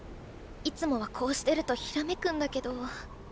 いつもはこうしてるとひらめくんだけど。